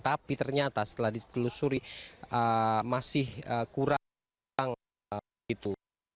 tapi ternyata setelah ditelusuri masih kurang itu